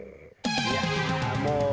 いやあもう。